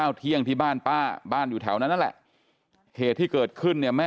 ในเรื่องของสถานที่ก็อาจจะเกี่ยว